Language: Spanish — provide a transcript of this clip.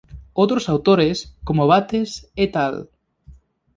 Otros autores, como Bates "et al".